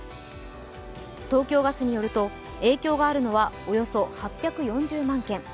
東京ガスによると影響があるのはおよそ８４０万軒。